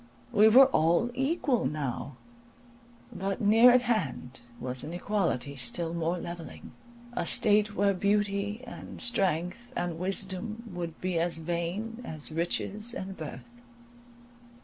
We were all equal now; but near at hand was an equality still more levelling, a state where beauty and strength, and wisdom, would be as vain as riches and birth.